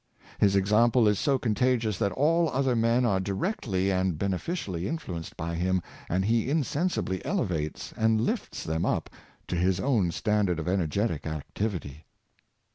His example is so contagious that all other men are directly and beneficially influ enced by him, and he insensibly elevates and lifts them up to his own standard of energetic activity.